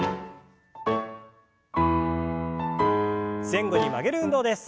前後に曲げる運動です。